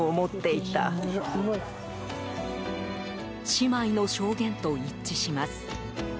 姉妹の証言と一致します。